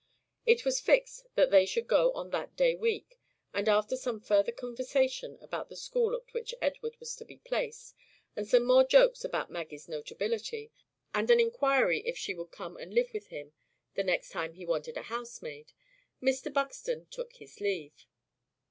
It was fixed that they should go on that day week; and after some further conversation about the school at which Edward was to be placed, and some more jokes about Maggie's notability, and an inquiry if she would come and live with him the next time he wanted a housemaid, Mr. Buxton took his leave.